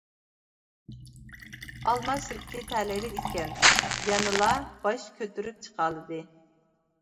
ئالما شىركىتى تەلەيلىك ئىكەن، يەنىلا باش كۆتۈرۈپ چىقالىدى.